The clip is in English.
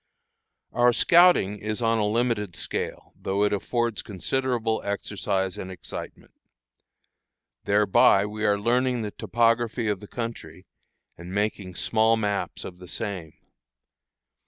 Our scouting is on a limited scale, though it affords considerable exercise and excitement. Thereby we are learning the topography of the country, and making small maps of the same.